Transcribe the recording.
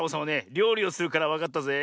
りょうりをするからわかったぜえ。